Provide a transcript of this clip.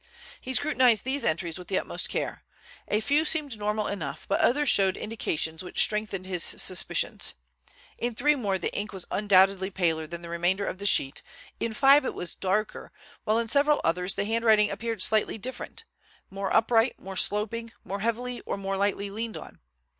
He scrutinized these entries with the utmost care. A few seemed normal enough, but others showed indications which strengthened his suspicions. In three more the ink was undoubtedly paler than the remainder of the sheet, in five it was darker, while in several others the handwriting appeared slightly different—more upright, more sloping, more heavily or more lightly leaned on.